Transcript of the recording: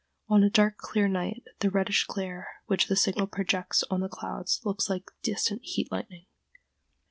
On a dark clear night, the reddish glare which the signal projects on the clouds looks like distant heat lightning.